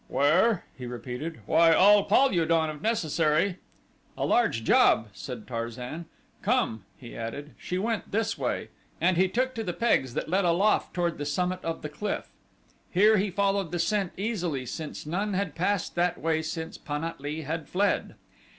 "Where?" he repeated. "Why all Pal ul don, if necessary." "A large job," said Tarzan. "Come," he added, "she went this way," and he took to the pegs that led aloft toward the summit of the cliff. Here he followed the scent easily since none had passed that way since Pan at lee had fled.